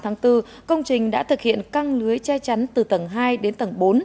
và vào sáng ngày tám tháng bốn công trình đã thực hiện căng lưới che chắn từ tầng hai đến tầng bốn